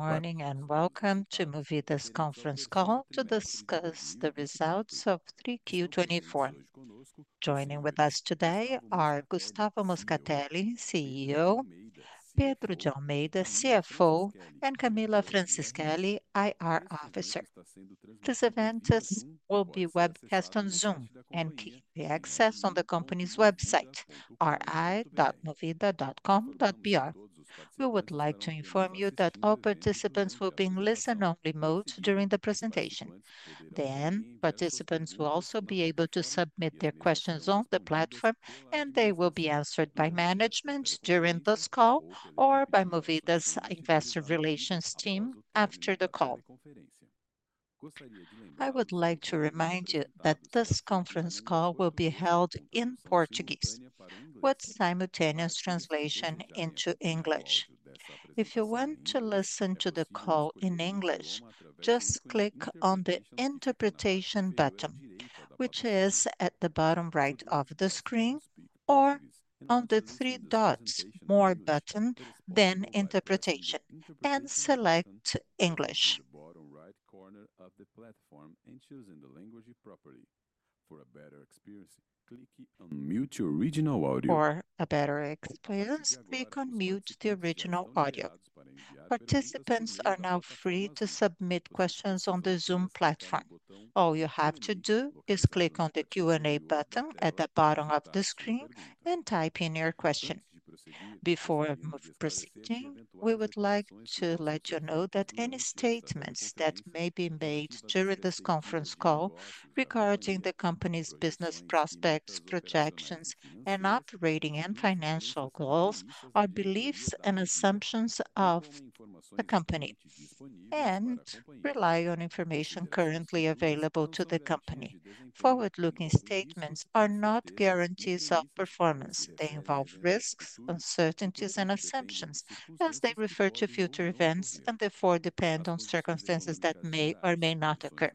Morning and welcome to Movida's conference call to discuss the results of 3Q24. Joining with us today are Gustavo Moscatelli, CEO; Pedro de Almeida, CFO; and Camila Franciscali, IR officer. This event will be webcast on Zoom and access on the company's website, ri.movida.com.br. We would like to inform you that all participants will be in listen-only mode during the presentation. Then participants will also be able to submit their questions on the platform and they will be answered by management during this call or by Movida's investor relations team after the call. I would like to remind you that this conference call will be held in Portuguese with simultaneous translation into English. If you want to listen to the call in English, just click on the Interpretation button which is at the bottom right of the screen, or on the three dots More button then interpretation and select English. And choose the language. For a better experience, click on Mute your original audio. For a better experience, click on Mute the original audio. Participants are now free to submit questions on the Zoom platform. All you have to do is click on the Q&A button at the bottom of the screen and type in your question. Before proceeding, we would like to let you know that any statements that may be made during this conference call regarding the Company's prospects, projections and operating and financial goals are beliefs and assumptions of the company and rely on information currently available to the company. Forward looking statements are not guarantees of performance. They involve risks, uncertainties and assumptions as they refer to future events and therefore depend on circumstances that may or may not occur.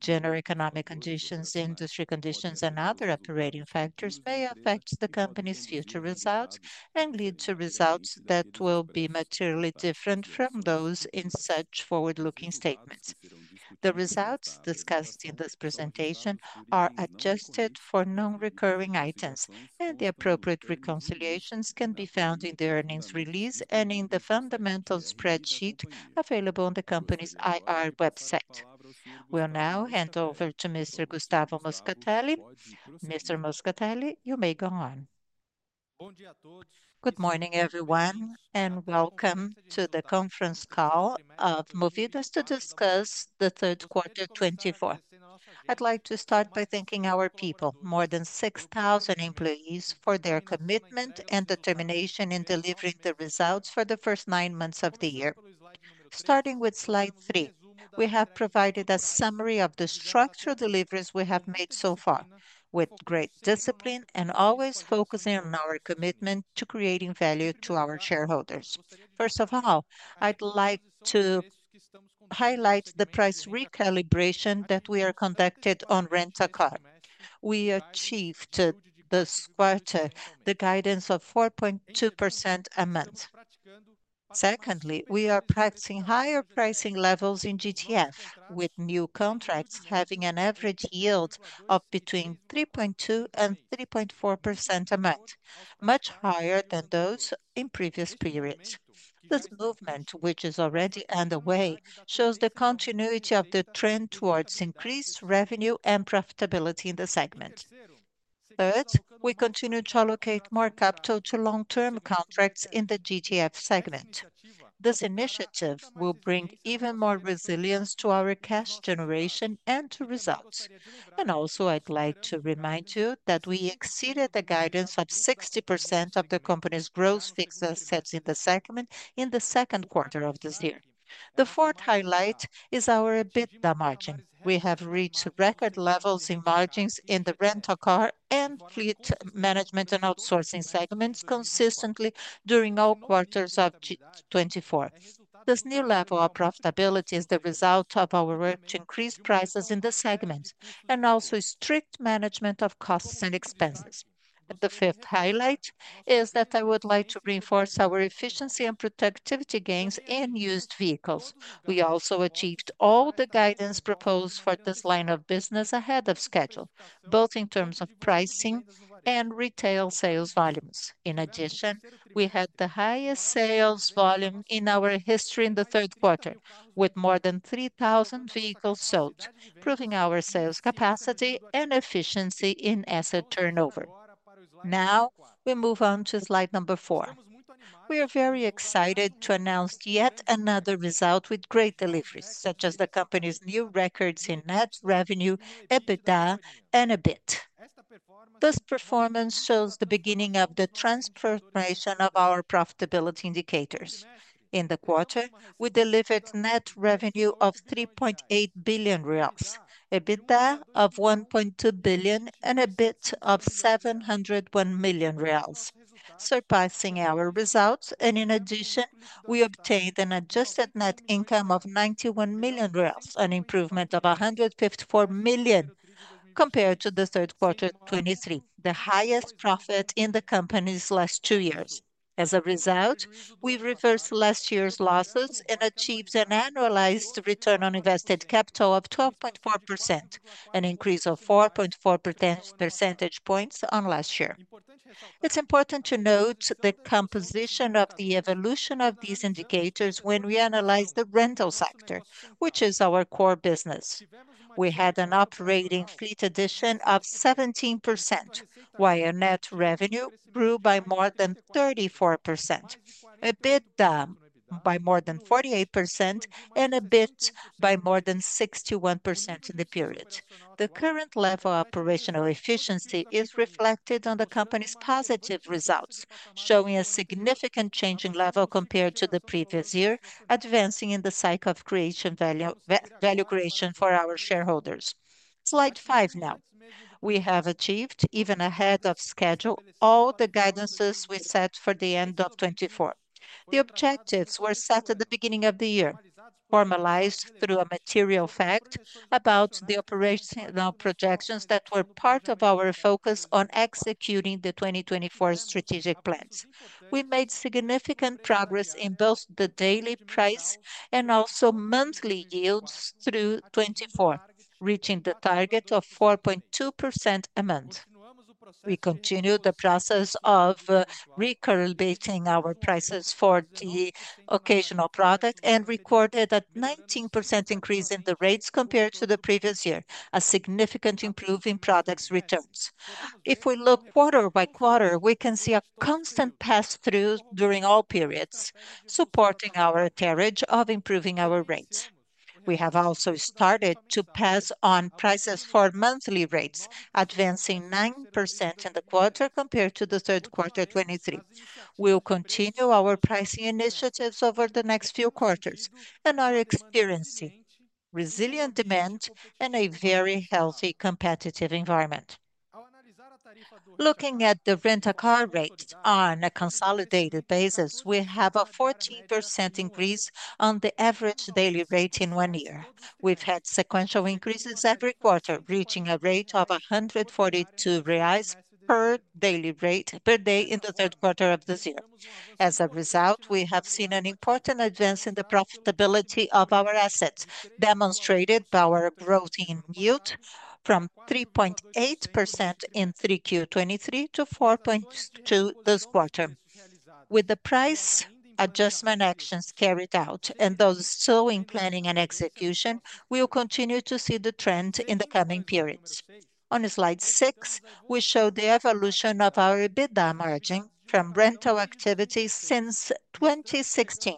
General economic conditions, industry conditions and other operating factors may affect the Company's future results and lead to results that will be materially different from those in such forward-looking statements. The results discussed in this presentation are adjusted for non-recurring items and the appropriate reconciliations can be found in the earnings release and in the fundamental spreadsheet available on the company's IR website. Will now hand over to Mr. Gustavo Moscatelli. Mr. Moscatelli, you may go on. Good morning everyone and welcome to the conference call of Movida to discuss 3Q24. I'd like to start by thanking our people, more than 6,000 employees, for their commitment and determination in delivering the results for the first nine months of the year. Starting with Slide 3, we have provided a summary of the structural deliveries we have made so far with great discipline and always focusing on our commitment to creating value to our shareholders. First of all, I'd like to highlight the price recalibration that we conducted on Rent-a-Car. We achieved this quarter the guidance of 4.2% a month. Secondly, we are practicing higher pricing levels in GTF with new contracts having an average yield of between 3.2 and 3.4% a month, much higher than those in previous periods. This movement, which is already underway, shows the continuity of the trend towards increased revenue and profitability in the segment. Third, we continue to allocate more capital to long-term contracts in the GTF segment. This initiative will bring even more resilience to our cash generation and to results. I'd like to remind you that we exceeded the guidance of 60% of the company's gross fixed assets in the settlement in the second quarter of this year. The fourth highlight is our EBITDA margin. We have reached record levels in margins and in the Rent-a-Car and fleet management and outsourcing segments consistently during all quarters of 24. This new level of profitability is the result of our work to increase prices in the segment and also strict management of costs and expenses. The fifth highlight is that I would like to reinforce our efficiency and productivity gains in used vehicles. We also achieved all the guidance proposed for this line of business ahead of schedule both in terms of pricing and retail sales volumes. In addition, we had the highest sales volume in our history in the third quarter with more than 3,000 vehicles sold, proving our sales capacity and efficiency in asset turnover. Now we move on to slide number four. We are very excited to announce yet another milestone with great deliveries such as the company's new records in net revenue, EBITDA and EBIT. This performance shows the beginning of the transformation of our profitability indicators. In the quarter we delivered net revenue of 3.8 billion reais, EBITDA of 1.2 billion and EBIT of 701 million reais, surpassing our results, and in addition, we obtained an adjusted net income of 91 million reais, an improvement of 100% compared to 3Q23, the highest profit in the company's last two years. As a result, we reversed last year's losses and achieved an annualized return on invested capital of 12.4%, an increase of 4.4 percentage points on last year. It's important to note the composition of the evolution of these indicators when we analyze the rental sector, which is our core business. We had an operating fleet addition of 17% while net revenue grew by more than 34%, EBITDA by more than 48% and EBIT by more than 61% in the period. The current level operational efficiency is reflected on the company's positive results, showing a significant change in level compared to the previous year, advancing in the cycle of value creation for our shareholders. Slide 5. Now we have achieved, even ahead of schedule, all the guidances we set for the end of 2024. The objectives were set at the beginning of the year, formalized through a material fact about the operational projections that were part of our focus on executing the 2024 strategic plans. We made significant progress in both the daily price and also monthly yields through 2024, reaching the target of 4.2% a month. We continued the process of recalibrating our prices for the occasional product and recorded a 19% increase in the rates compared to the previous year, a significant improvement in products returns. If we look quarter by quarter, we can see a constant pass through during all periods, supporting our strategy of improving our rates. We have also started to pass on prices for monthly rates, advancing 9% in the quarter compared to the third quarter 2023. We'll continue our pricing initiatives over the next few quarters and are experiencing resilient demand and a very healthy competitive environment. Looking at the Rent-a-Car rate on a consolidated basis, we have a 14% increase on the average daily rate in one year. We've had sequential increases every quarter, reaching a rate of 142 reais per daily rate per day in the third quarter of this year. As a result, we have seen an important advance in the profitability of our assets, demonstrated by our growth in yield from 3.8% in 3Q23 to 4.2% this quarter. With the price adjustment actions carried out and those still in planning and execution, we'll continue to see the trend in the coming periods. On slide 6 we show the evolution of our EBITDA margin from rental activity since 2016,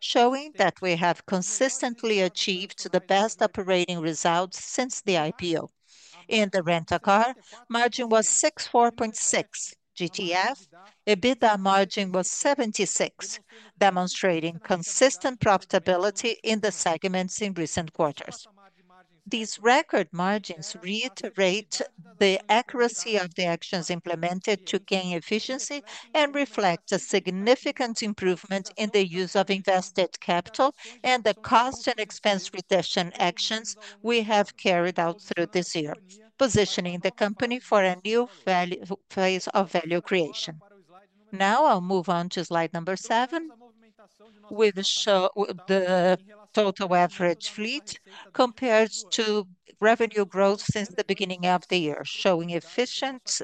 showing that we have consistently achieved the best operating results since the IPO. In the rental car margin was 64.6%, GTF EBITDA margin was 76%, demonstrating consistent profitability in the segments in recent quarters. These record margins reiterate the accuracy of the actions implemented to gain efficiency and reflect a significant improvement in the use of invested capital and the cost and expense reduction actions we have carried out through this year, positioning the company for a new phase of value creation. Now I'll move on to slide number 7 with the total average fleet compared to revenue growth since the beginning of the year, showing efficient,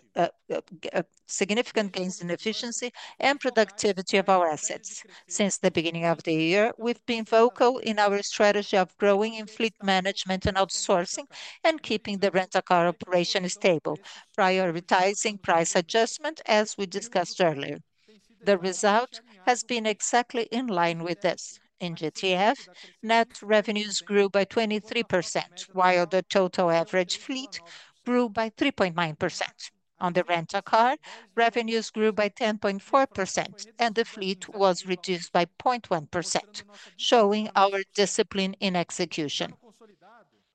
significant gains in efficiency and productivity of our assets since the beginning of the year. We've been vocal in our strategy of growing in fleet management and outsourcing and keeping the Rent-a-Car operation stable. Prioritizing price adjustment as we discussed earlier, the result has been exactly in line with this. In GTF, net revenues grew by 23% while the total average fleet grew by 3.9%. On the Rent-a-Car, revenues grew by 10.4% and the fleet was reduced by 0.1%. Showing our discipline in execution,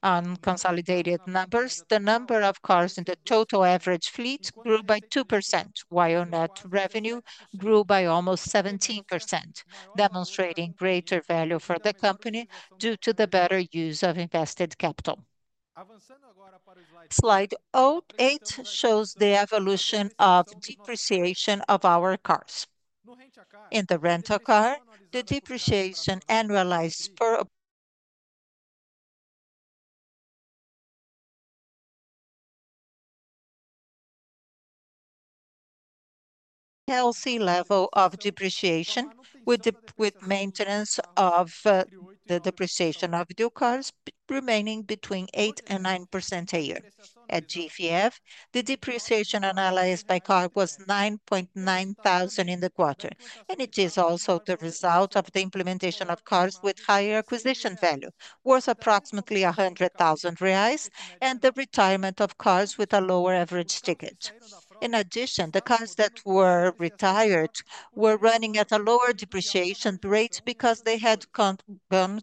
unconsolidated numbers, the number of cars in the total average fleet grew by 2% while net revenue grew by almost 17%, demonstrating greater value for the company due to the better use of invested capital. Slide 08 shows the evolution of depreciation of our cars in the rental car. The depreciation annualized per healthy level of depreciation with maintenance of the depreciation of new cars remaining between 8% and 9% a year. At GTF, the depreciation analysis by car was 9,900 in the quarter and it is also the result of the implementation of cars with higher acquisition value worth approximately 100,000 reais and the retirement of cars with a lower average ticket. In addition, the cars that were retired were running at a lower depreciation rate because they had gone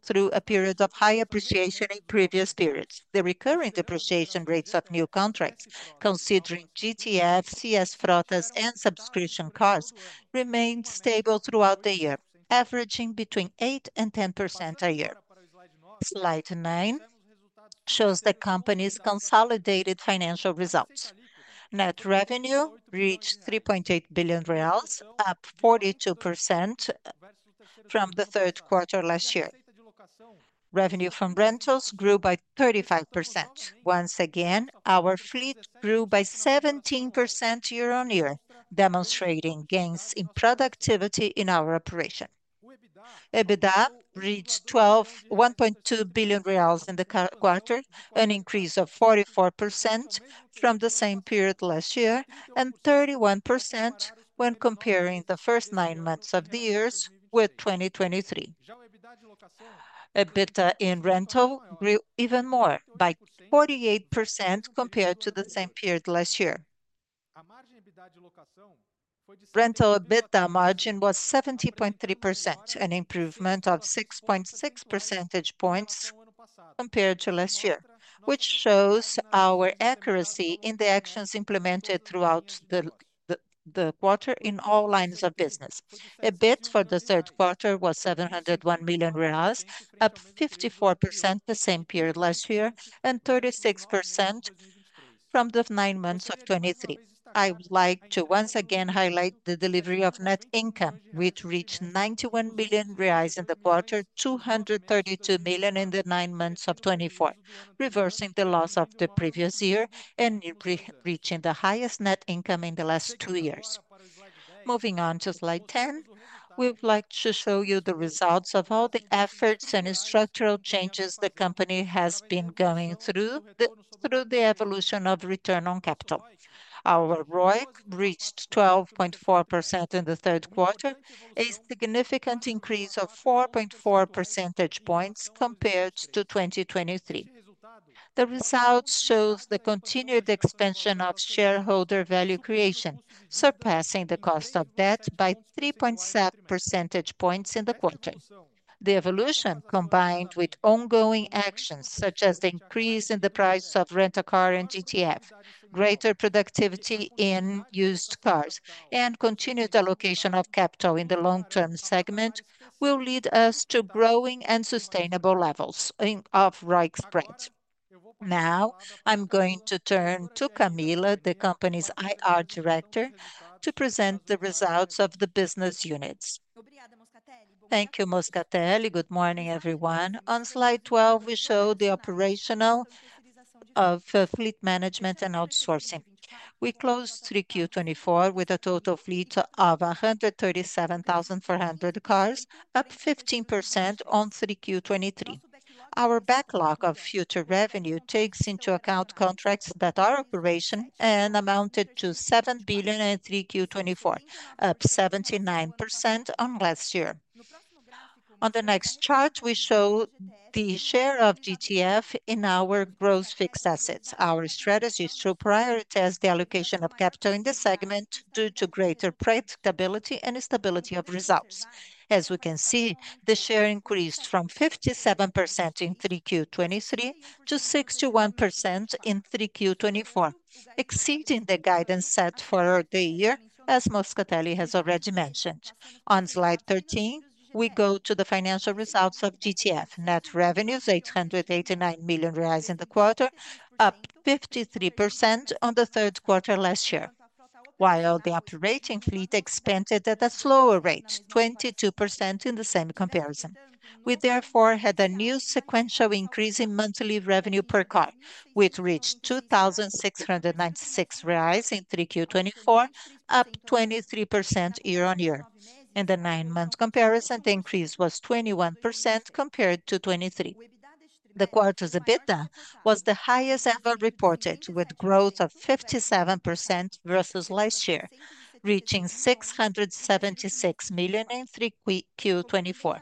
through a period of high appreciation in previous periods. The recurring depreciation rates of new contracts considering GTF, CS Frotas and subscription cars remained stable throughout the year, averaging between 8% and 10% a year. Slide 9 shows the company's consolidated financial results. Net revenue reached 3.8 billion reais, up 42% from the third quarter last year. Revenue from rentals grew by 35%. Once again our fleet grew by 17% year on year, demonstrating gains in productivity in our operation. EBITDA reached 1.2 billion reais in the current quarter, an increase of 44% from the same period last year and 31% when comparing the first nine months of the year with 2023. EBITDA in rental grew even more by 48% compared to the same period last year. Rental EBITDA margin was 70.3%, an improvement of 6.6 percentage points compared to last year, which shows our accuracy in the actions implemented throughout the quarter in all lines of business. EBIT for the third quarter was 71 million reais, up 54% from the same period last year and 36% from the nine months of 2023. I would like to once again highlight the delivery of net income which reached 91 million reais in the quarter, 232 million BRL in the nine months of 2024, reversing the loss of the previous year and reaching the highest net income in the last two years. Moving on to Slide 10, we would like to show you the results of all the efforts and structural changes the company has been going through the evolution of return on capital. Our ROIC reached 12.4% in the third quarter, a significant increase of 4.4 percentage points compared to 2023. The results show the continued expansion of shareholder value creation, surpassing the cost of debt by 3.7 percentage points in the quarter. The evolution, combined with ongoing actions such as the increase in the price of rental car and GTF, greater productivity in used cars and continued allocation of capital in the long term segment will lead us to growing and sustainable levels of ROIC spread. Now I'm going to turn to Camila, the company's IR director to present the results of the business units. Thank you, Moscatelli. Good morning everyone. On slide 12 we show the operational of fleet management and outsourcing. We closed 3Q24 with a total fleet of 137,400 cars, up 15% on 3Q23. Our backlog of future revenue takes into account contracts that are operational and amounted to 7 billion in 3Q24, up 79% on last year. On the next chart we show the share of GTF in our gross fixed assets. Our strategy is to prioritize the allocation of capital in the segment due to greater predictability and stability of results. As we can see, the share increased from 57% in 3Q23 to 61% in 3Q24, exceeding the guidance set for the year. As Moscatelli has already mentioned. On slide 13 we go to the financial results of GTF net revenues 889 million reais in the quarter, up 53% on the third quarter last year, while the operating fleet expanded at a slower rate 22% in the same comparison. We therefore had a new sequential increase in monthly revenue per car which reached 2,696 reais in 3Q24, up 23% year on year and the nine month comparison the increase was 21% compared to 23. The quarter's EBITDA was the highest ever reported with growth of 57% versus last year, reaching 676 million in 3Q24.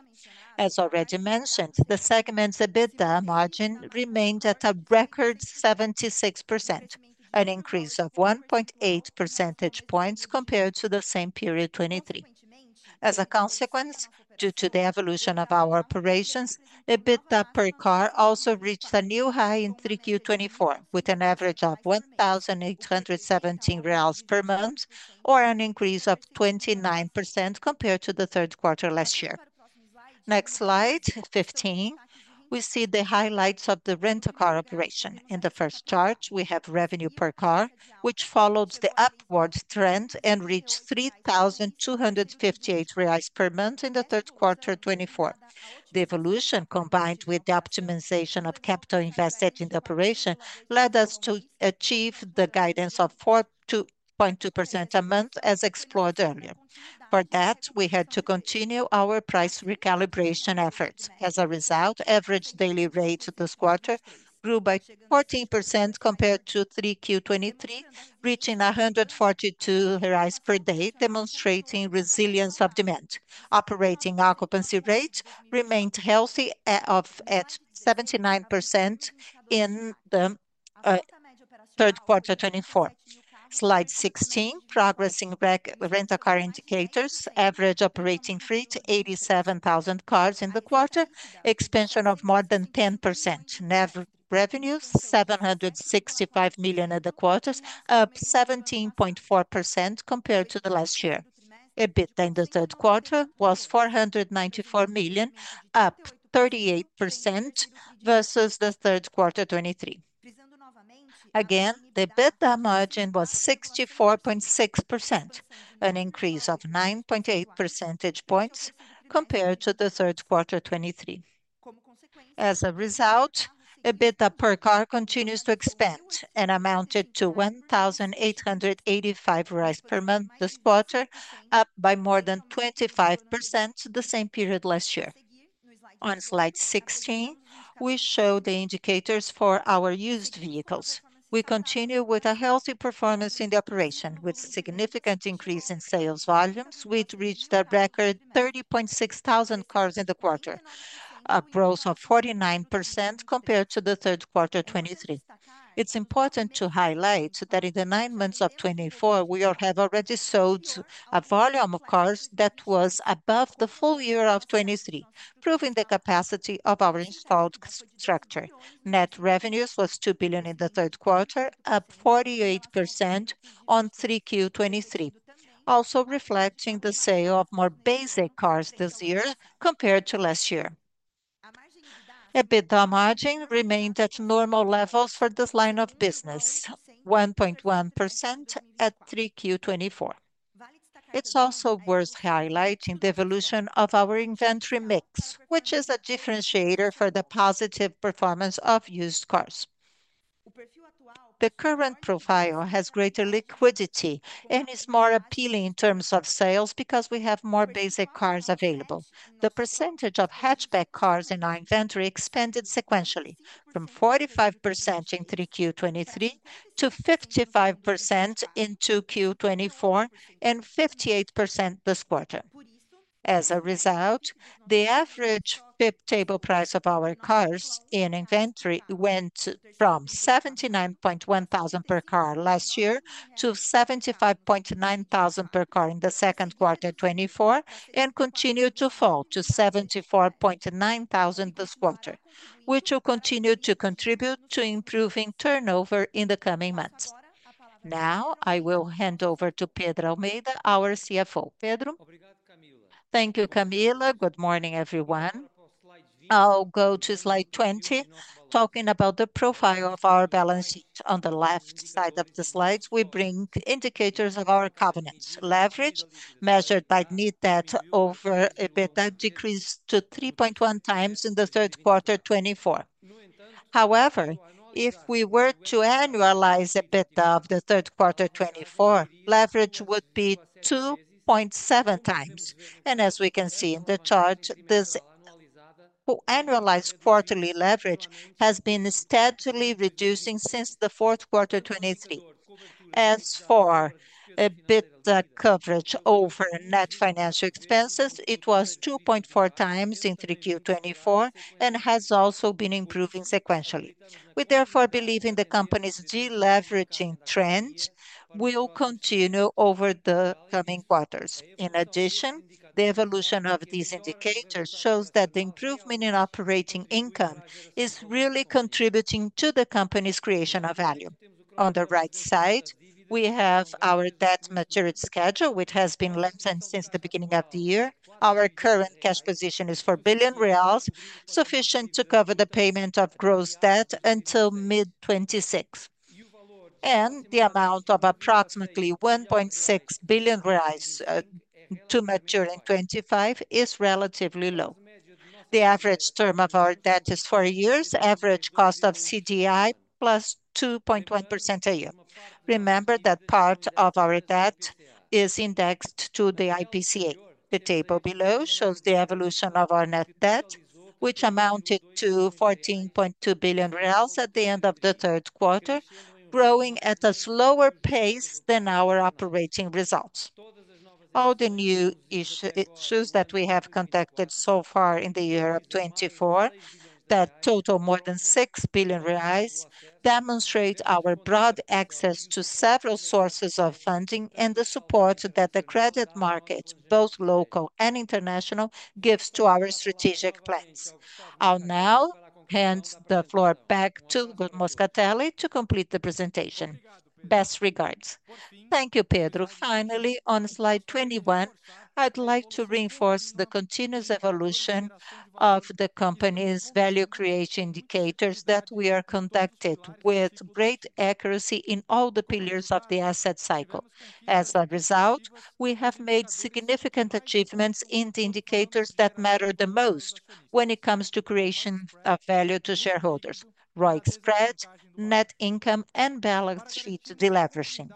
As already mentioned, the segment's EBITDA margin remained at a record 76%, an increase of 1.8 percentage points compared to the same period. As a consequence, due to the evolution of our operations, EBITDA per car also reached a new high in 3Q24 with an average of 1,817 reais per month or an increase of 29% compared to the third quarter last year. Next, slide 15, we see the highlights of the rental car operation. In the first chart we have revenue per car which followed the upward trend and reached 3,258 reais per month in the third quarter, the evolution combined with the optimization of capital invested in the operation led us to achieve the guidance of 4.2% a month as explored earlier. For that we had to continue our price recalibration efforts. As a result, average daily rate this quarter grew by 14% compared to 3Q23, reaching 142 reais per day, demonstrating resilience of demand. Operating occupancy rate remained healthy at 79% in the third quarter 24. Slide 16. Progress in rental car indicators. Average operating fleet 87,000 cars in the quarter. Expansion of more than 10%. Revenues 765 million in the quarter, up 17.4% compared to the last year. EBITDA in the third quarter was 494 million, up 38% versus the third quarter 23. Again, the EBITDA margin was 64.6%, an increase of 9.8 percentage points compared to the third quarter 23. As a result, EBITDA per car continues to expand and amounted to 1,885 per month this quarter, up by more than 25% the same period last year. On slide 16 we show the indicators for our used vehicles. We continue with a healthy performance in the operation with significant increase in sales volumes which reached a record 30.6 thousand cars in the quarter, a growth of 49% compared to the third quarter 2023. It's important to highlight that in the nine months of 2024 we have already sold a volume of cars that was above the full year of 2023, proving the capacity of our installed structure. Net revenues was 2 billion in the third quarter, up 48% on 3Q23, also reflecting the sale of more basic cars this year compared to last year. EBITDA margin remained at normal levels for this line of business 1.1% at 3Q24. It's also worth highlighting the evolution of our inventory mix, which is a differentiator for the positive performance of used cars. The current profile has greater liquidity and is more appealing in terms of sales because we have more basic cars available. The percentage of hatchback cars in our inventory expanded sequentially from 45% in 3Q23 to 55% in 2Q24 and 58% this quarter. As a result, the average Fipe table price of our cars in inventory went from 79.1 thousand per car last year to 75.9 thousand per car in 2Q24 and continue to fall to 74.9 thousand this quarter, which will continue to contribute to improving turnover in the coming months. Now I will hand over to Pedro de Almeida, our CFO. Pedro. Thank you, Camila. Good morning everyone. I'll go to slide 20 talking about the profile of our balance sheet. On the left side of the slides we bring indicators of our covenants. Leverage, measured by Net Debt over EBITDA decreased to 3.1x in 3Q24. However, if we were to annualize EBITDA of 3Q24, leverage would be 2 and as we can see in the chart, this annualized quarterly leverage has been steadily reducing since 4Q23. As for a bit coverage over net financial expenses, it was 2.4x in 3Q24 and has also been improving sequentially. We therefore believe in the company's deleveraging trend or will continue over the coming quarters. In addition, the evolution of these indicators shows that the improvement in operating income is really contributing to the company's creation of value. On the right side, we have our debt maturity schedule which has been lengthened since the beginning of the year. Our current cash position is 4 billion reais, sufficient to cover the payment of gross debt until mid-2026, and the amount of approximately 1.6 billion reais to mature in 2025 is relatively low. The average term of our debt is four years. Average cost of CDI plus 2.1% a year. Remember that part of our debt is indexed to the IPCA. The table below shows the evolution of our net debt which amounted to 14.2 billion reais at the end of the third quarter, growing at a slower pace than our operating results. All the new issues that we have conducted so far in the year of 2024 that total more than 6 billion reais demonstrate our broad access to several sources of funding and the support that the credit market, both local and international, gives to our strategic plans. I'll now hand the floor back to Gustavo Moscatelli to complete the presentation. Best regards. Thank you, Pedro. Finally, on slide 21, I'd like to reinforce the continuous evolution of the company's value creation indicators that we conduct with great accuracy in all the pillars of the asset cycle. As a result, we have made significant achievements in the indicators that matter the most when it comes to creation of value to shareholders, ROIC, spread, net income, and balance sheet deleveraging.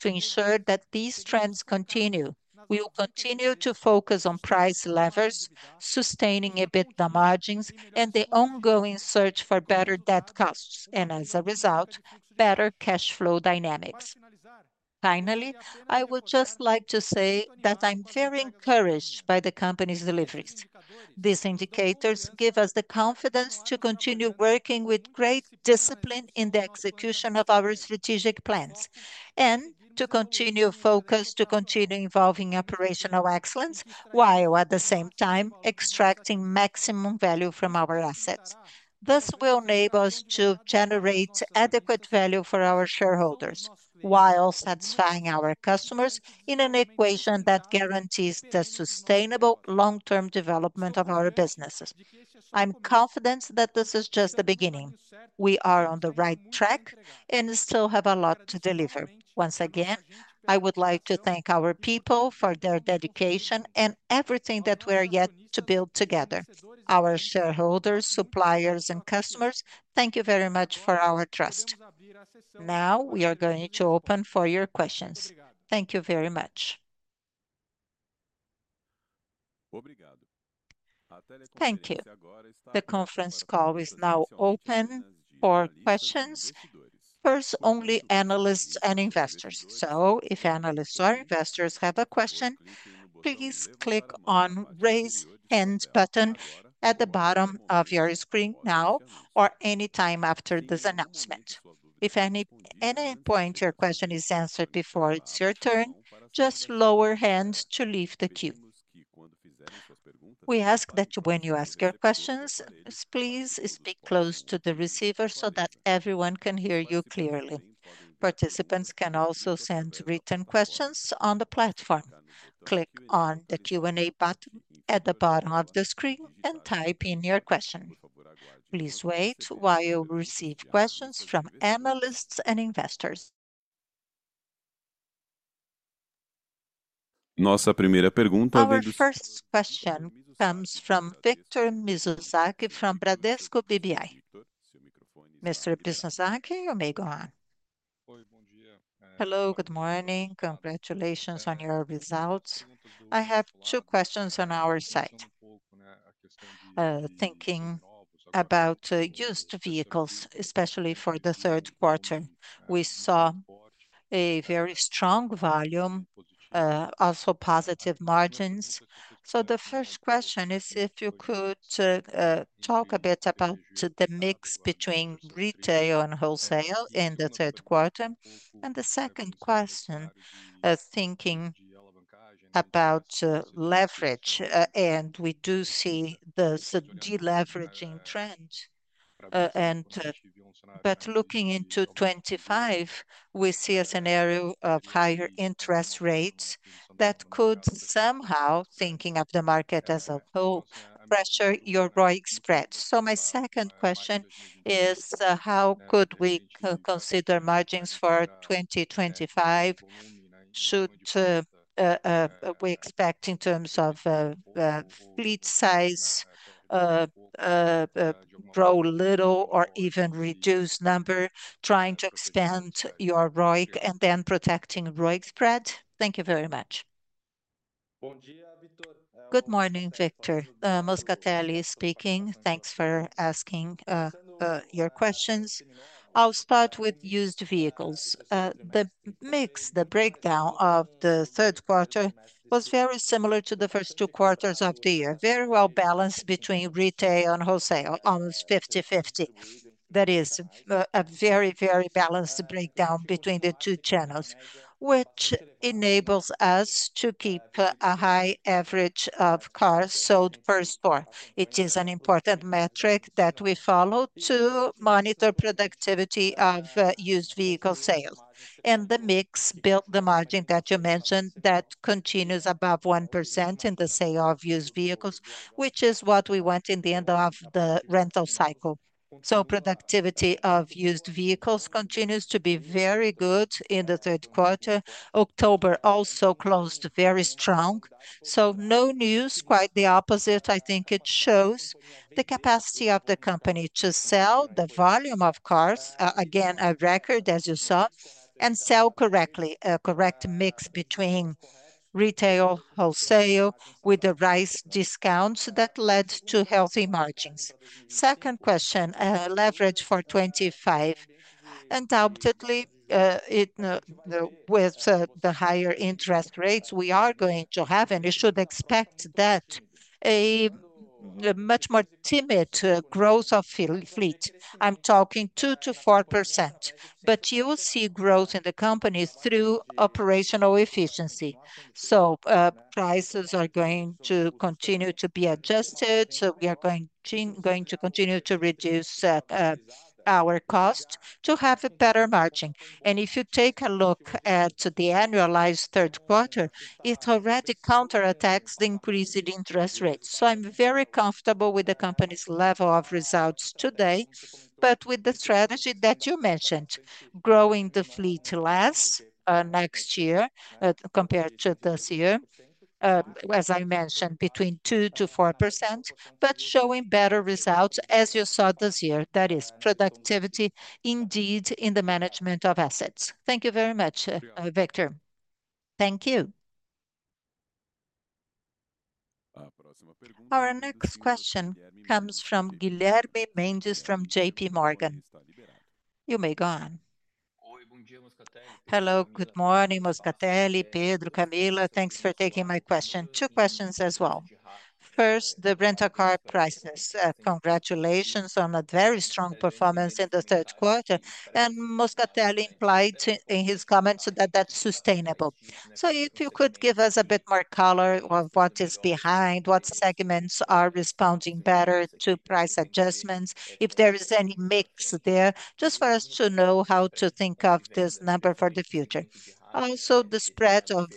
To ensure that these trends continue, we will continue to focus on price levers, sustaining EBITDA margins, and the ongoing search for better debt costs and, as a result, better cash flow dynamics. Finally, I would just like to say that I'm very encouraged by the company's deliveries. These indicators give us the confidence to continue working with great discipline in the execution of our strategic plans and to continue focusing to continue evolving operational excellence while at the same time extracting maximum value from our assets. This will enable us to generate adequate value for our shareholders while satisfying our customers in an equation that guarantees the sustainable long-term development of our businesses. I'm confident that this is just the beginning. We are on the right track and still have a lot to deliver. Once again, I would like to thank our people for their dedication and everything that we are yet to build together, our shareholders, suppliers and customers. Thank you very much for your trust. Now we are going to open for your questions. Thank you very much. Thank you. The conference call is now open for questions, first only analysts and investors. So if analysts or investors have a question, please click on the raise hand button at the bottom of your screen now or anytime after this announcement. If at any point your question is answered before it's your turn, just lower your hand to leave the queue. We ask that when you ask your questions please speak close to the receiver so that everyone can hear you clearly. Participants can also send written questions on the platform. Click on the Q&A button at the bottom of the screen and type in your question. Please wait while we receive questions from analysts and investors. Our first question comes from Victor Mizusaki from Bradesco BBI. Mr. Mizusaki, you may go on. Hello, good morning. Congratulations on your results. I have two questions on my side. Thinking about used vehicles, especially for the third quarter, we saw a very strong volume, also positive margins. So the first question is if you could talk a bit about the mix between retail and wholesale in the third quarter. And the second question thinking about leverage and we do see the deleveraging trend and but looking into 2025 we see a scenario of higher interest rates that could somehow thinking of the market as a whole pressure ROIC spread. So my second question is how could we consider margins for 2025 should we expect in terms of fleet size grow little or even reduce number trying to expand your ROIC and then protecting ROIC spread? Thank you very much. Good morning, Gustavo Moscatelli speaking. Thanks for asking your questions. I'll start with used vehicles. The mix the breakdown of the third quarter was very similar to the first two quarters of the year. Very well balanced between retail and wholesale. Almost 50-50. That is a very, very balanced breakdown between the two channels, which enables us to keep a high average of cars sold per store. It is an important metric that we follow to monitor productivity of used vehicle sales. And the mix built the margin that you mentioned that continues above 1% in the sale of used vehicles, which is what we want in the end of the rental cycle. So productivity of used vehicles continues to be very good in the third quarter. October also closed very strong. So no news. Quite the opposite. I think it shows the capacity of the company to sell the volume of cars. Again, a record, as you saw, and sell correctly. A correct mix between retail, wholesale with the right discounts that led to healthy margins. Second question, leverage for 25. Undoubtedly, with the higher interest rates we are going to have, you should expect a much more timid growth of fleet. I'm talking 2%-4%. But you will see growth in the company through operational efficiency. So prices are going to continue to be adjusted. So we are going to continue to reduce our cost to have a better margin. And if you take a look at the annualized third quarter, it already counteracts the increased interest rates. So I'm very comfortable with the company's level of results today. But with the strategy that you mentioned, growing the fleet less next year compared to this year, as I mentioned, between 2%-4% but showing better results as you saw this year. That is productivity indeed in the management of assets. Thank you very much, Victor. Thank you. Our next question comes from Guilherme Mendes from J.P. Morgan. You may go on. Hello. Good morning, Moscatelli. Pedro, Camila, thanks for taking my question. Two questions as well. First, the rental car prices. Congratulations on a very strong performance in the third quarter. And Moscatelli implied in his comments that that's sustainable. So if you could give us a bit more color of what is behind what segments are responding better to price adjustments. If there is any mix there. Just for us to know how to think of this number for the future. Also the spread of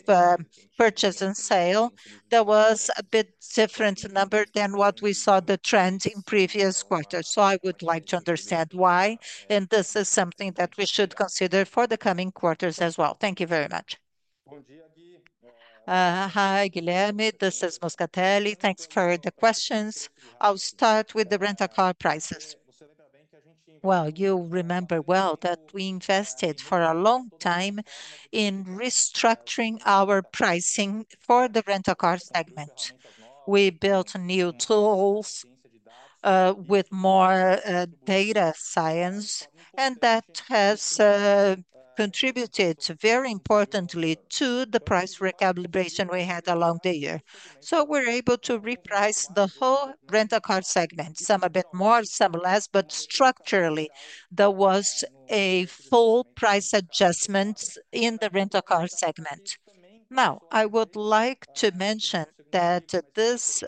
purchase and sale there was a bit different number than what we saw the trend in previous quarters. So I would like to understand why. And this is something that we should consider for the coming quarters as well. Thank you very much. Hi Guilherme, this is Moscatelli. Thanks for the questions. I'll start with the rental car prices. You remember well that we invested for a long time in restructuring our pricing for the rental car segment. We built new tools with more data science and that has contributed very importantly to the price recalibration we had along the year. So we're able to reprice the whole rental car segment. Some a bit more, some less. But structurally there was a full price adjustment in the rental car segment. Now I would like to mention that this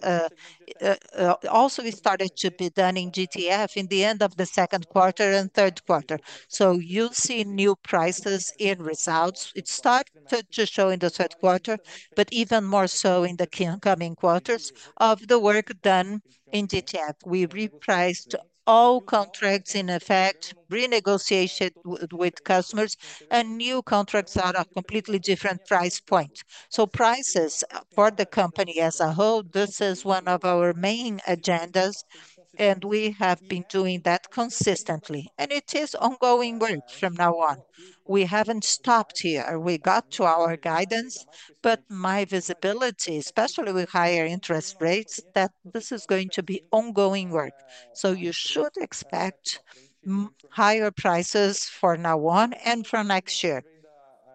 also started to be done in GTF in the end of the second quarter and third quarter. So you see new prices and results. It started to show in the third quarter, but even more so in the coming quarters. Of the work done in GTF, we repriced all contracts in effect renegotiation with customers and new contracts are a completely different price point. So prices for the company as a whole, this is one of our main agendas and we have been doing that consistently and it is ongoing work from now on. We haven't stopped here. We got to our guidance. But my visibility, especially with higher interest rates that this is going to be ongoing work. So you should expect higher prices from now on and for next year.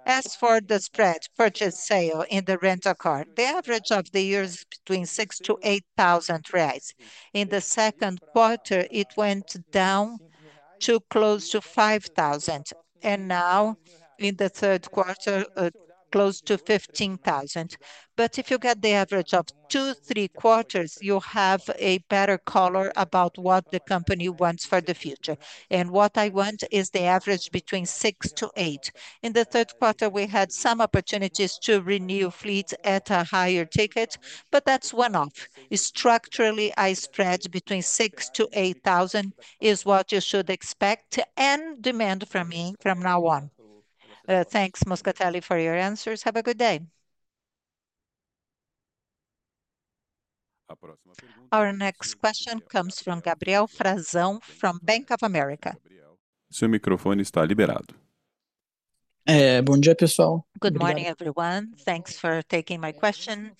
As for the purchase-sale spread in the rental car, the average of the year is between 6,000 and 8,000 reais. In the second quarter it went down to close to 5,000 and now in the third quarter close to 15,000. But if you get the average of 2.75, you have a better color about what the company wants for the future. And what I want is the average between 6-8 in the third quarter. We had some opportunities to renew fleets at a higher ticket, but that's one-off. Structurally, the spread between six to 8,000 is what you should expect and demand from me from now on. Thanks, Moscatelli, for your answers. Have a good day. Our next question comes from Gabriel Frazão from Bank of America. Good morning, everyone. Thanks for taking my question.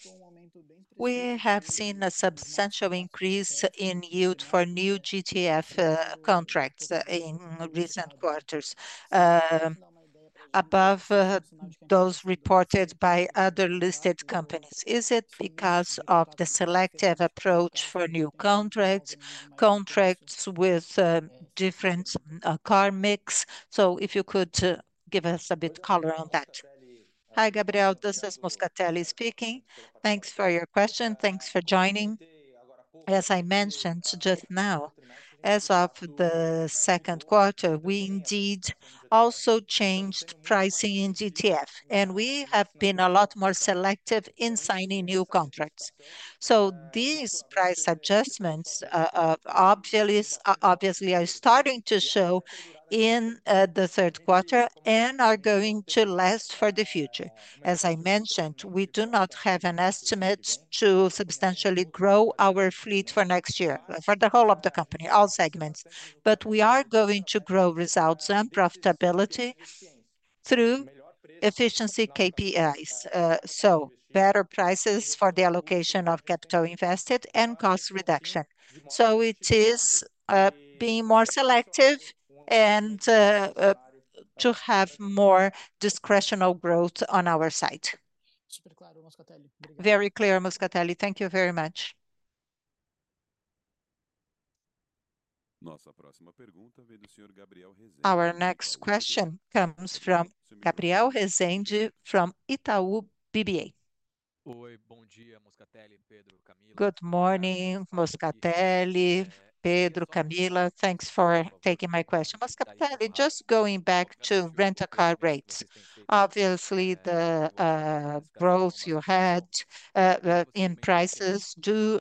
We have seen a substantial increase in yield for new GTF contracts in recent quarters above those reported by other listed companies. Is it because of the selective approach for new contracts? Contracts with different car mix? So if you could give us a bit of color on that. Hi Gabriel, this is Moscatelli speaking. Thanks for your question. Thanks for joining. As I mentioned just now, as of the second quarter we indeed also changed pricing in GTF and we have been a lot more selective in signing new contracts. So these price adjustments obviously are starting to show in the third quarter and are going to last for the future. As I mentioned, we do not have an estimate to substantially grow our fleet for next year. For the whole of the company, all segments. But we are going to grow results and profitability through efficiency KPIs so better prices for the allocation of capital invested and cost reduction. So it is being more selective and to have more discretionary growth on our side. Very clear. Moscatelli, thank you very much. Our next question comes from Gabriel from Itaú BBA. Good morning Moscatelli. Pedro, Camila, thanks for taking my question. Just going back to Rent-a-Car rates. Obviously the growth you had in prices do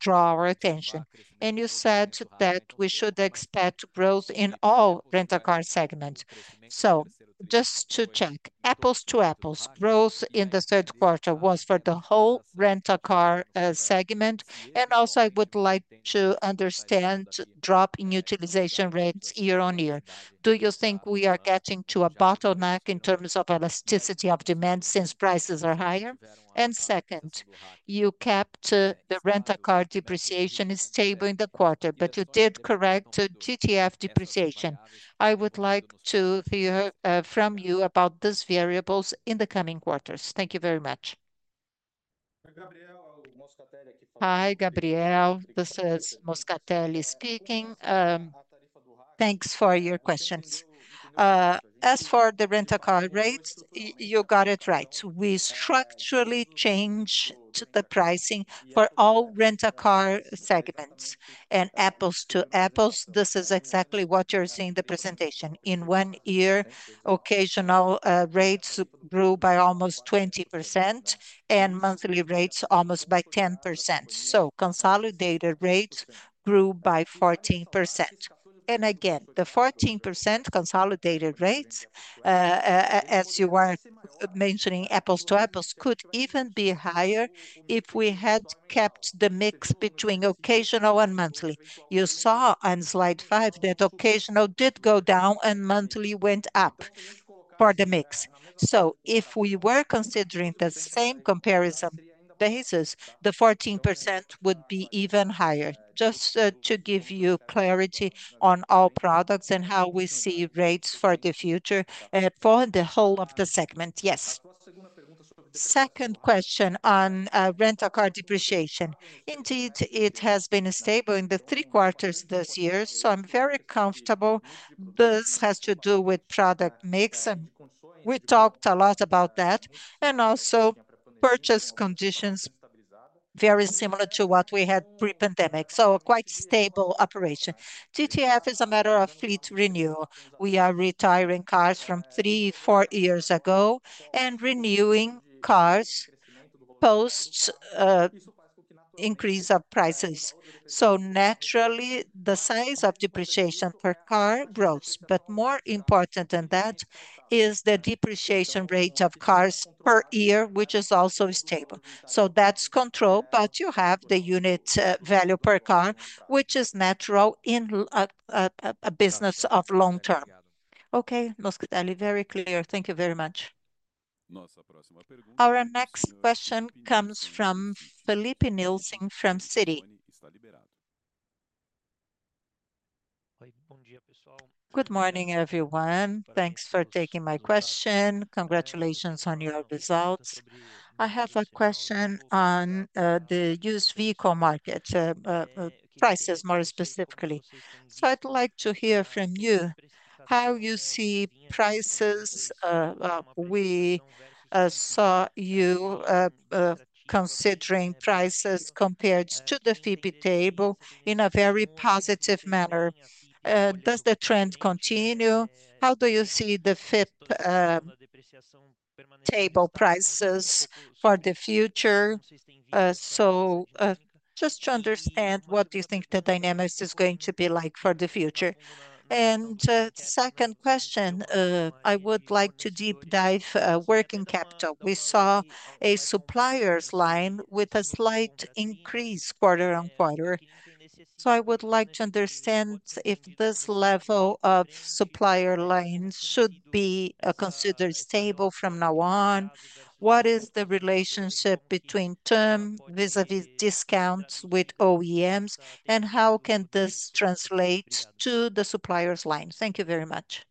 draw our attention and you said that we should expect growth in all rental car segments. So just to check, apples to apples, growth in the third quarter was for the whole rental car segment. And also I would like to understand drop in utilization rates year on year. Do you think we are getting to a bottleneck in terms elasticity of demand since prices are higher? And second, you kept the Rent-a-Car depreciation is stable in the quarter. But you did correct GTF depreciation. I would like to hear from you about these variables in the coming quarters. Thank you very much. Hi, Gabriel, this is Moscatelli speaking. Thanks for your questions. As for the Rent-a-Car rate, you got it right. We structurally change the pricing for all Rent-a-Car segments, and apples to apples, this is exactly what you're seeing in the presentation. In one year, occasional rates grew by almost 20% and monthly rates almost by 10%, so consolidated rates grew by 14%, and again the 14% consolidated rates as you were mentioning, apples to apples could even be higher if we had kept the mix between occasional and monthly. You saw on slide five that occasional did go down and monthly went up for the mix, so if we were considering the same comparison basis, the 14% would be even higher. Just to give you clarity on all products and how we see rates for the future for the whole of the segment. Yes, second question on rental car depreciation. Indeed, it has been stable in the three quarters this year, so I'm very comfortable. This has to do with product mix and we talked a lot about that and also purchase conditions very similar to what we had pre-pandemic. So quite stable operation. GTF is a matter of fleet renewal. We are retiring cars from three, four years ago and renewing cars post increase of prices. So naturally the size of depreciation per car growth. But more important than that is the depreciation rate of cars per year which is also stable. So that's controllable, but you have the unit value per car which is natural in a business of long-term. Okay, very clear. Thank you very much. Our next question comes from Felipe Nielsen from Citi. Good morning everyone. Thanks for taking my question. Congratulations on your results. I have a question on the used vehicle market prices more specifically. So I'd like to hear from you how you see prices. We saw you considering prices compared to the Fipe table in a very positive manner. Does the trend continue? How do you see the Fipe table prices for the future? So just to understand what do you think the dynamics is going to be like for the future? And second question, I would like to deepen deep dive working capital. We saw a suppliers line with a slight increase quarter on quarter. So I would like to understand if this level of supplier lines should be considered stable from now on. What is the relationship between term vis-à-vis discounts with OEMs and how can this translate to the suppliers line? Thank you very much.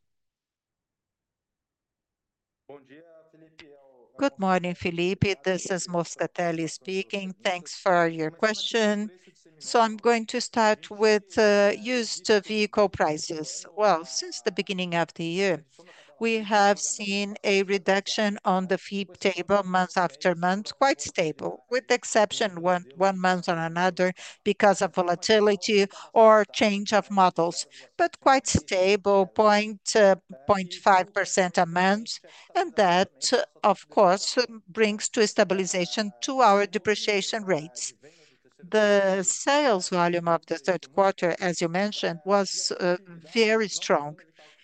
Good morning Felipe. This is Moscatelli speaking. Thanks for your question. So I'm going to start with used vehicle prices. Since the beginning of the year we have seen a reduction on the Fipe table month after month, quite stable, with the exception of one month or another because of volatility or change of models, but quite stable, point 0.5% a month. And that of course brings a stabilization to our depreciation rates. The sales volume of the third quarter as you mentioned was very strong.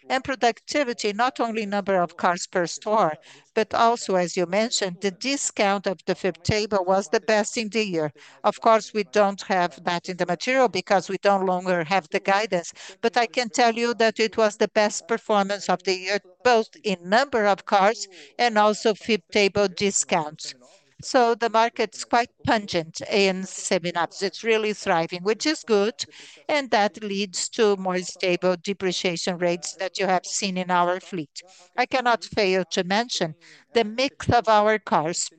And productivity, not only number of cars per store, but also as you mentioned, the discount of the Fipe table was the best in the year. Of course we don't have that in the material because we no longer have the guidance. But I can tell you that it was the best performance of the year in both in number of cars and also Fipe table discounts. So the market's quite buoyant in Seminovos. It's really thriving, which is good. That leads to more stable depreciation rates that you have seen in our fleet. I cannot fail to mention the mix of our cars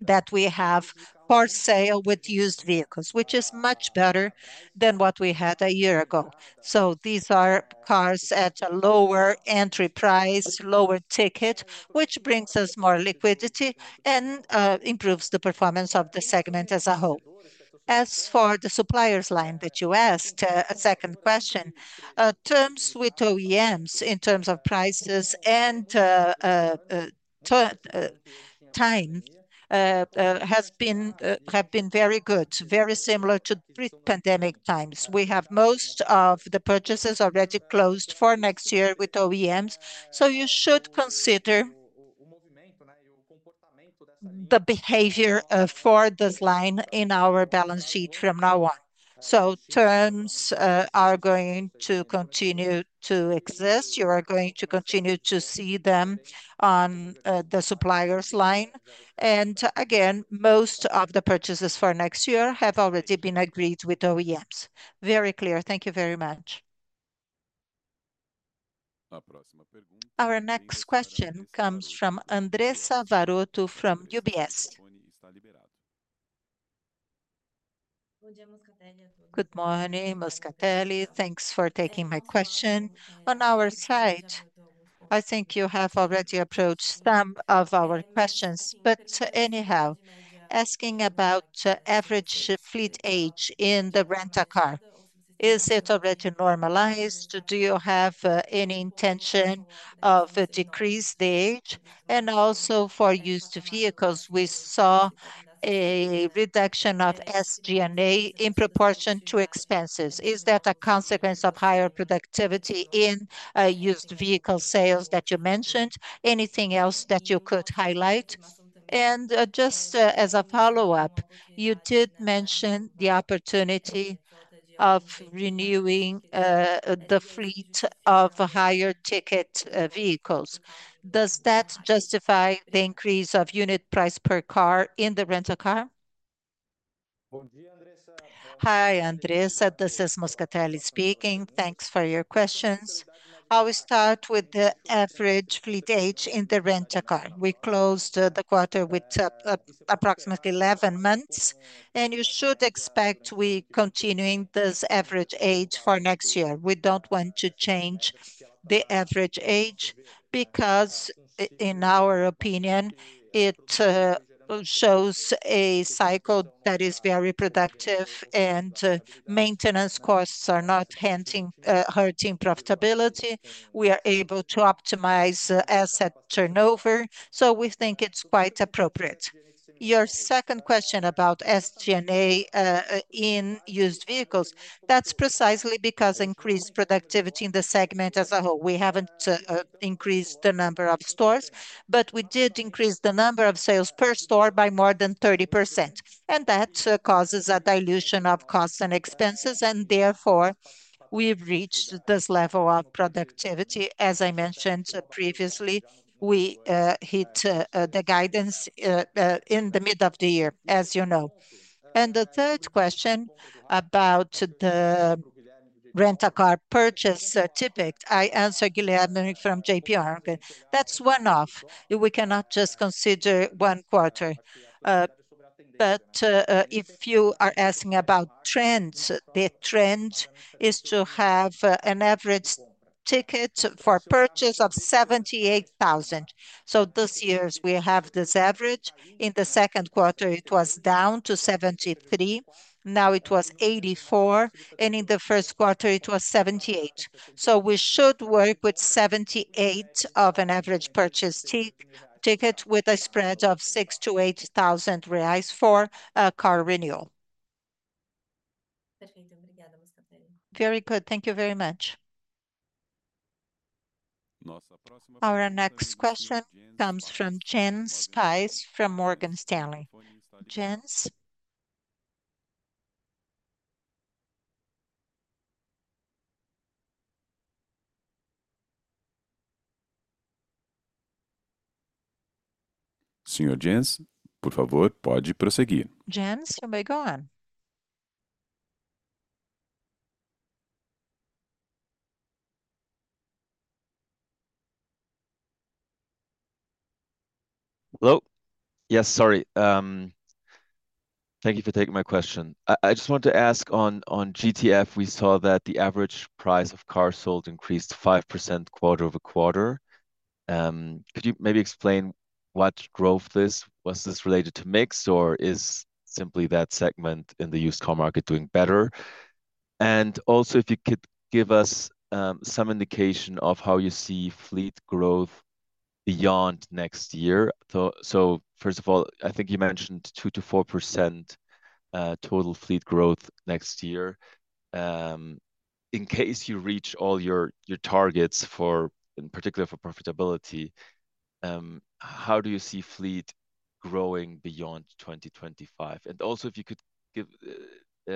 that we have for sale with used vehicles, which is much better than what we had a year ago. These are cars at a lower entry price, lower ticket, which brings us more liquidity and improves the performance of the segment as a whole. As for the suppliers line that you asked, a second question. Terms with OEMs in terms of prices and time have been very good, very similar to pre-pandemic times. We have most of the purchases already closed for next year with OEMs. You should consider the behavior for this line in our balance sheet from now on. Terms are going to continue to exist. You are going to continue to see them on the suppliers line. And again, most of the purchases for next year have already been agreed with OEMs. Very clear. Thank you very much. Our next question comes from Andressa Varotto from UBS. Good morning, Moscatelli. Thanks for taking my question on our side. I think you have already approached some of our questions. But anyhow, asking about average fleet age in the Rent-a-Car, is it already normalized? Do you have any intention of decreasing the age? And also, for used vehicles, we saw a reduction of SG&A in proportion to expenses. Is that a consequence of higher productivity in used vehicle sales that you mentioned? Anything else that you could highlight? And just as a follow-up, you did mention the opportunity of renewing the fleet of higher ticket vehicles. Does that justify the increase of unit price per car in the rental car? Hi Andressa, this is Moscatelli speaking. Thanks for your questions. I will start with the average fleet age in the Rent-a-Car. We closed the quarter with approximately 11 months and you should expect we continuing this average age for next year. We don't want to change the average age because in our opinion it shows a cycle that is very productive and maintenance costs are not hurting profitability. We are able to optimize asset turnover. So we think it's quite appropriate. Your second question about SG&A in used vehicles, that's precisely because increased productivity in the segment as a whole we haven't increased the number of stores but we did increase the number of sales per store by more than 30% and that causes a dilution of costs and expenses. Therefore we've reached this level of productivity. As I mentioned previously, we hit the guidance in the middle of the year as you know. The third question about the Rent-a-Car purchase ticket, I answer Guilherme from J.P. Morgan. That's one off. We cannot just consider one quarter. But if you are asking about trends, the trend is to have an average tickets for purchase of 78,000. So this year we have this average. In the second quarter it was down to 73,000. Now it was 84,000 and in the first quarter it was 78,000. So we should work with 78,000 of an average purchase ticket with a spread of 6,000-8,000 reais for car renewal. Very good. Thank you very much. Our next question comes from Jens Spiess from Morgan Stanley. Jens. Senior Jens. Jens, you may go on. Hello. Yes, sorry. Thank you for taking my question. I just wanted to ask. On GTF we saw that the average price of cars sold increased 5% quarter over quarter. Could you maybe explain what drove this? Was this related to mix or is simply that segment in the used car market doing better? And also if you could give us some indication of how you see fleet growth beyond next year. So first of all, I think you mentioned 2%-4% total fleet growth next year in case you reach all your targets in particular for profitability. How do you see fleet growing beyond 2025? And also if you could give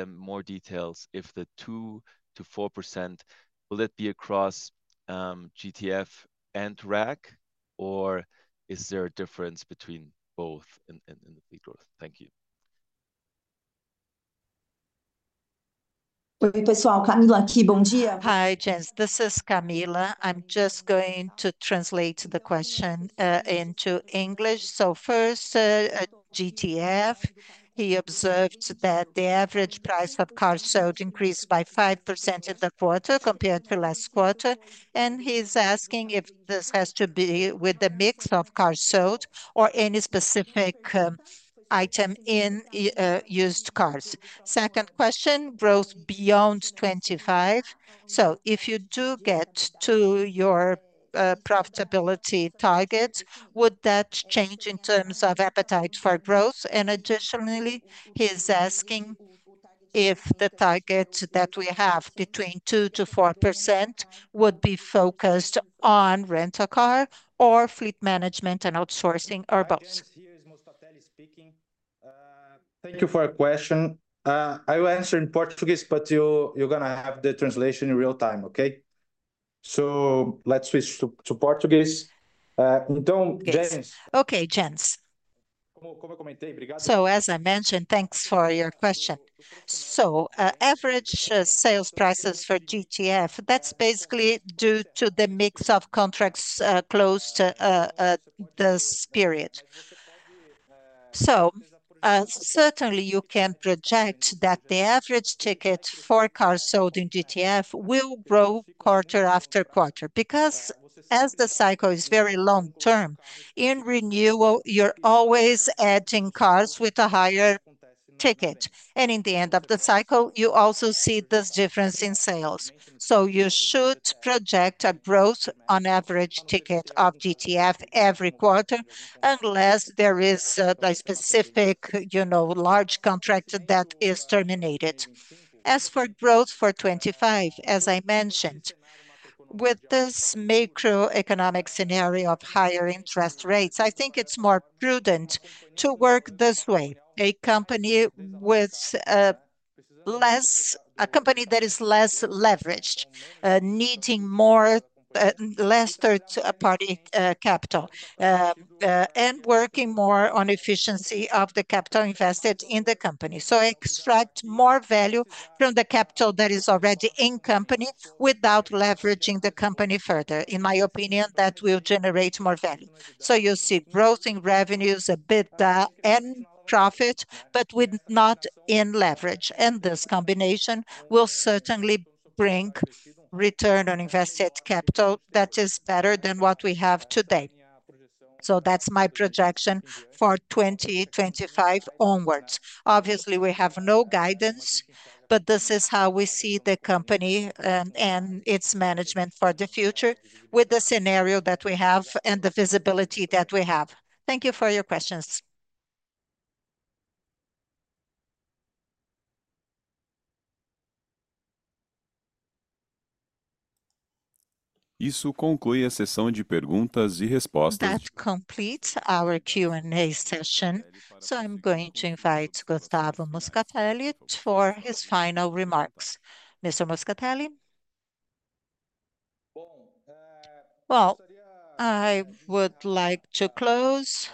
more details, if the 2%-4%, will it be across GTF and RAC or is there a difference between both in the P&L? Thank you. Hi Jens, this is Camila. I'm just going to translate the question into English. First, GTF. He observed that the average price of car sold increased by 5% in the quarter compared to last quarter. And he's asking if this has to be with the mix of cars sold or any specific item in used cars. Second question, growth beyond 25. If you do get to your profitability target, would that change in terms of appetite for growth? And additionally he is asking if the target that we have between 2%-4% would be focused on Rent-a-Car or fleet management and outsourcing, or both. Here is most. Thank you for a question. I will answer in Portuguese, but you're going to have the translation in real time. Okay, so let's switch to Portuguese. Okay, Jens, so as I mentioned, thanks for your question. So average sales prices for GTF, that's basically due to the mix of contracts closed to this period. So certainly you can project that the average ticket for cars sold in GTF will grow quarter after quarter because as the cycle is very long term in renewal you're always adding cars with a higher ticket. And in the end of the cycle you also see this difference in sales. So you should project a growth on average ticket of GTF every quarter unless there is a specific, you know, large contract that is terminated. As for growth for 2025, as I mentioned, with this macroeconomic scenario of higher interest rates, I think it's more prudent to work this way. A company with less. A company that is less leveraged, needing less third-party capital and working more on efficiency of the capital invested in the company, so extract more value from the capital that is already in the company without leveraging the company further. In my opinion, that will generate more value, so you see growth in revenues, EBITDA and profit, but without increasing leverage. And this combination will certainly bring return on invested capital that is better than what we have today, so that's my projection for 2025 onwards. Obviously we have no guidance, but this is how we see the company and its management for the future, with the scenario that we have and the visibility that we have. Thank you for your questions. That completes our Q&A session. So I'm going to invite Gustavo Moscatelli for his final remarks. Mr. Moscatelli. Well, I would like to close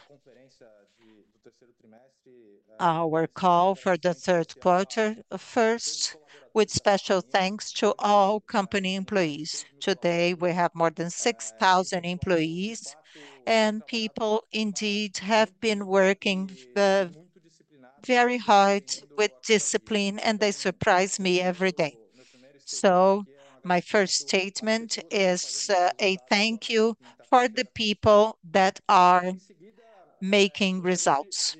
our call for the third quarter. First, with special thanks to all company employees. Today we have more than 6,000 employees and people indeed have been working very hard with discipline and they surprise me every day. So my first statement is a thank you for the people that are making results.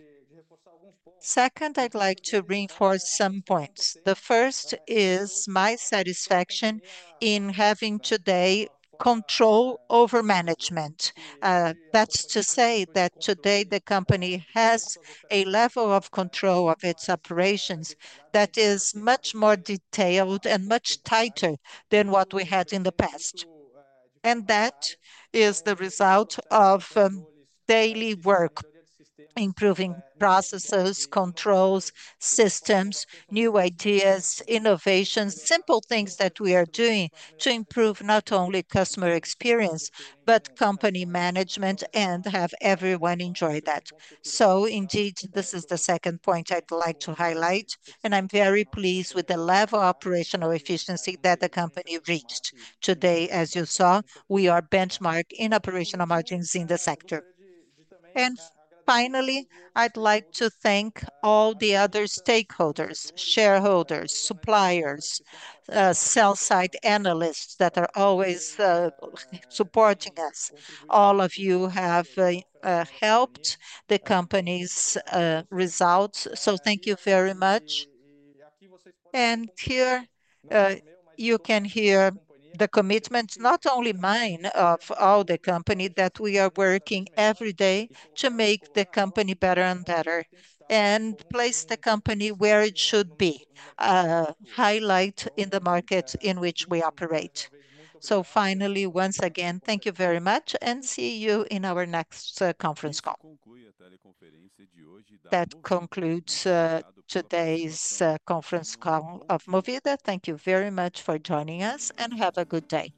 Second, I'd like to reinforce some points. The first is my satisfaction in having today control over management. That's to say that today the company has a level of control of its operations that is much more detailed and much tighter than what we had in the past. That is the result of daily work improving processes, controls, systems, new ideas, innovations, simple things that we are doing to improve not only customer experience, but company management and have everyone enjoy that. Indeed, this is the second point I'd like to highlight and I'm very pleased with the level of operational efficiency that the company reached today. As you saw, we are the benchmark in operational margins in the sector. Finally, I'd like to thank all the other stakeholders, shareholders, suppliers, sell-side analysts that are always supporting us. All of you have helped the company's results. Thank you very much. Here you can hear the commitment, not only mine, of all the company, that we are working every day to make the company better and better and place the company where it should be highlighted in the market in which we operate. So finally, once again, thank you very much and see you in our next conference call. That concludes today's conference call of Movida. Thank you very much for joining us and have a good day.